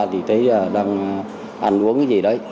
thấy đang ăn uống gì đấy